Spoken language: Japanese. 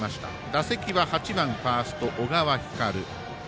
打席は８番ファースト、小川輝。